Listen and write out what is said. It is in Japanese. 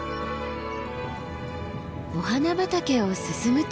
お花畑を進むと。